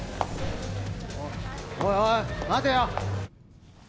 おいおい待てよ！